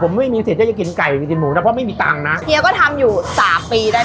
ผมไม่มีสิทธิ์จะกินไก่ไปกินหมูนะเพราะไม่มีตังค์นะเฮียก็ทำอยู่สามปีได้